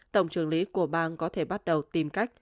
tổng trưởng lý của bang có thể bắt đầu tìm cách